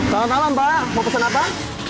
salam salam pak mau pesan apa